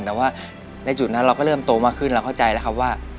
แต่ว่าในจุดนั้นเราก็เริ่มโตมากขึ้นเราเข้าใจแล้วครับว่า